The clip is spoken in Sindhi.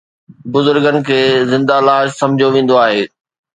بزرگن کي زنده لاش سمجهيو ويندو آهي